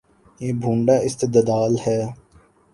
یہ بھونڈا استدلال ہے۔